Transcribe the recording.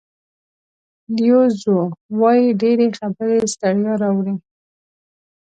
لیو زو وایي ډېرې خبرې ستړیا راوړي.